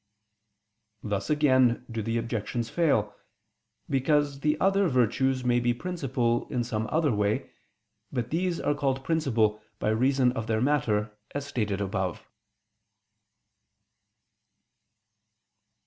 Thus again do the objections fail: because the other virtues may be principal in some other way, but these are called principal by reason of their matter, as stated above.